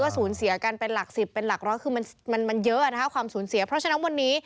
สูญเสียก็เป็นสูญเสียครั้งหนึ่ง